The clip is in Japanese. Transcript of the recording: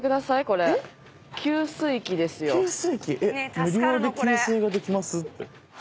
［早速］「無料で給水できます」って。